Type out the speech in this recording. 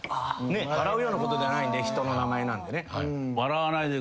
笑うようなことではないんで人の名前なんてね。